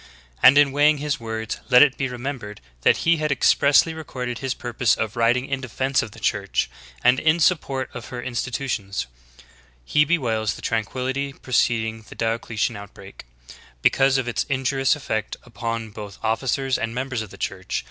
K\nd, in weighing his words, let i^ be remembered that he had expressly recorded his purpose of writing in defense of the Church, and in support of her institutions. He bewails the tranquility preceding the Dio cletian outbreak, because of its injurious effect upon both ^■Milner, "Church History," Cent. Ill, ch. 17. 88 THE GREAT APOSTASY. officers and members of the Church.